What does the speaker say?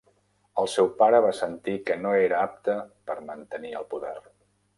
El seu pare va sentir que no era apte per mantenir el poder.